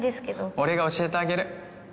俺が教えてあげる。